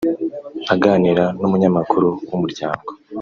Aganira n’umunyamakuru w’Umuryango